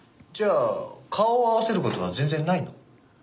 じゃあ顔を合わせる事は全然ないの？